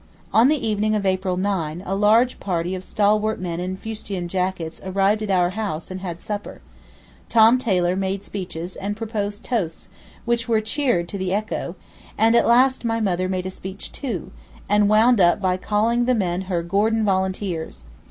On the evening of April 9 a large party of stalwart men in fustian jackets arrived at our house and had supper; Tom Taylor made speeches and proposed toasts which were cheered to the echo, and at last my mother made a speech too, and wound up by calling the men her 'Gordon volunteers.